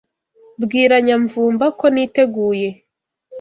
Bwira Nyamvumba ko niteguye.